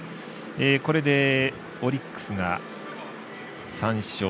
これで、オリックスが３勝。